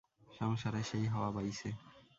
সংসারে সেই হাওয়া বাইছে।